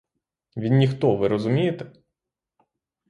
Він ніхто — ви розумієте?